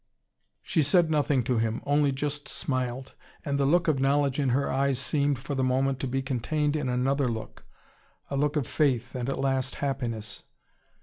She said nothing to him, only just smiled. And the look of knowledge in her eyes seemed, for the moment, to be contained in another look: a look of faith, and at last happiness.